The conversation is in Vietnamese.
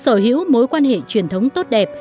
sở hữu mối quan hệ truyền thống tốt đẹp